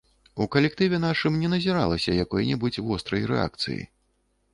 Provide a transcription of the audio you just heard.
У калектыве нашым не назіралася якой-небудзь вострай рэакцыі.